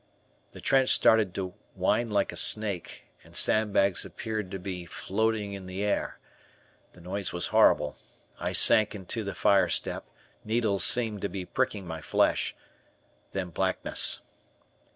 The trench started to wind like a snake, and sandbags appeared to be floating in the air. The noise was horrible; I sank onto the fire step, needles seemed to be pricking my flesh, then blackness.